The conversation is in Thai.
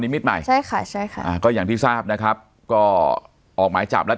มิตรใหม่ใช่ค่ะใช่ค่ะอ่าก็อย่างที่ทราบนะครับก็ออกหมายจับแล้ว